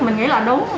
mình nghĩ là đúng